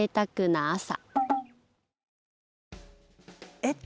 えっと